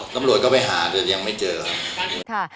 ตำรวจก็ไปหาแต่ยังไม่เจอครับ